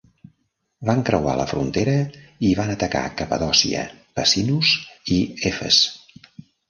Van creuar la frontera i van atacar Capadòcia, Pessinus i Efes.